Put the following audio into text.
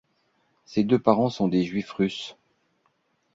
Ses deux parents sont des juifs russes.